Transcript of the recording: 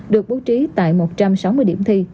được bố trí tại một trăm sáu mươi điểm thi